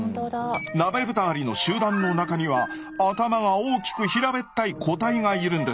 ナベブタアリの集団の中には頭が大きく平べったい個体がいるんです。